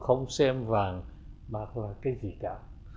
họ không xem vàng bạc là cái gì cả